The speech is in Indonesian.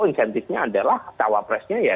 insentifnya adalah cawapresnya